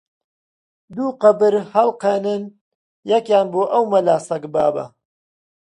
-دوو قەبر هەڵقەنن، یەکیان بۆ ئەو مەلا سەگبابە!